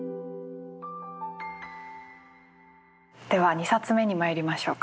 では２冊目にまいりましょうか。